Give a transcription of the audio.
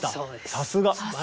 さすが！